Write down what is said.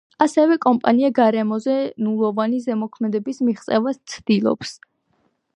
ასევე კომპანია გარემოზე ნულოვანი ზემოქმედების მიღწევას ცდილობს.